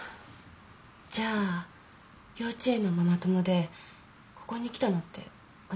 じゃあ幼稚園のママ友でここに来たのってわたしだけ？